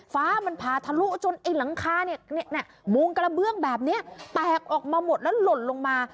ฟ้ามันพาทะลุจนไอ้หลังคาเนี่ยมุงกระเบื้องแบบนี้แตกออกมาหมดแล้วหล่นลงมา